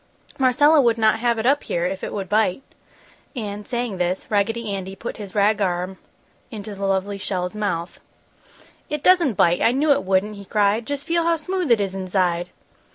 "Marcella would not have it up here if it would bite!" And, saying this, Raggedy Andy put his rag arm into the lovely shell's mouth. "It doesn't bite! I knew it wouldn't!" he cried. "Just feel how smooth it is inside!"